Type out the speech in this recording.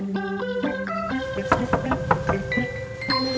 bapak sudah berhasil menangkap sobri